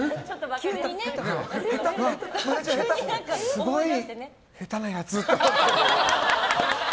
すごい、下手なやつって。